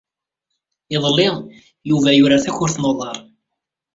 Iḍelli, Yuba yurar takurt n uḍar.